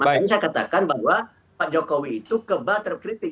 makanya saya katakan bahwa pak jokowi itu kebal terkritik